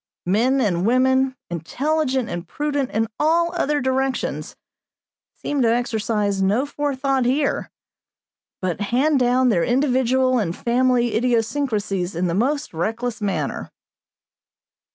Men and women, intelligent and prudent in all other directions, seem to exercise no forethought here, but hand down their individual and family idiosyncrasies in the most reckless mariner.